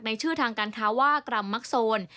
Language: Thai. ชื่อทางการค้าว่ากรรมมักโซน